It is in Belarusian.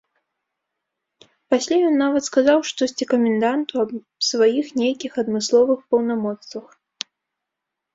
Пасля ён нават сказаў штосьці каменданту аб сваіх нейкіх адмысловых паўнамоцтвах.